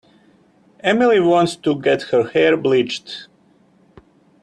Emily wants to get her hair bleached.